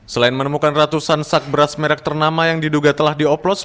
selain menemukan ratusan sak beras merek ternama yang diduga telah dioplos